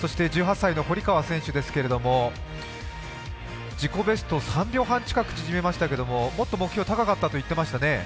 １８歳の堀川選手ですけれども自己ベスト、３秒半近く縮めましたけどもっと目標、高かったと言っていましたね。